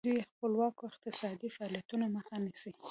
دوی د خپلواکو اقتصادي فعالیتونو مخه نیسي.